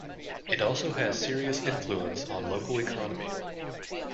It also has a serious influence on local economy.